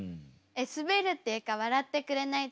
えっスベるっていうか笑ってくれない時は？